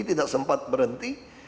tidak sempat berhenti